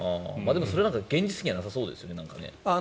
それなんか現実的にはなさそうですよね。